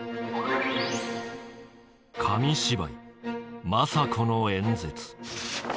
紙芝居「政子の演説」。